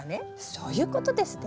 そういうことですね。